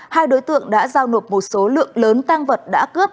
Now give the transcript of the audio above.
hai đối tượng đã giao nộp một số lượng lớn tang vật đã cướp